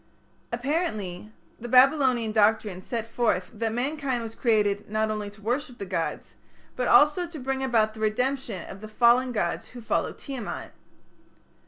_ Apparently the Babylonian doctrine set forth that mankind was created not only to worship the gods, but also to bring about the redemption of the fallen gods who followed Tiamat.